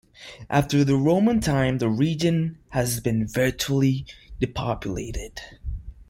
After the Roman time the region has been virtually depopulated.